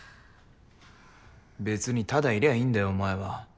べつにただいりゃいいんだよお前は。